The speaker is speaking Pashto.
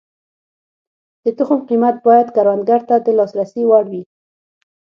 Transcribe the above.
د تخم قیمت باید کروندګر ته د لاسرسي وړ وي.